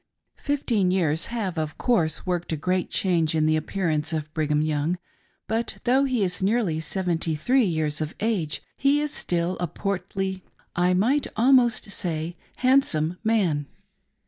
Fifteen years have, of course, worked a gfeat change in the: appearance of Brigham Young ; but though he is now nearly seventy three years of age, he is still a portly looking — I might almost say handsome man.